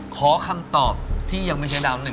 ขอคำตอบที่ยังไม่ใช้ดาวละ๑